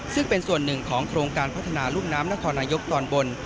ซึ่งเป็นส่วนหนึ่งของโครงการพัฒนารุ่มน้ำนครนายกตอนบน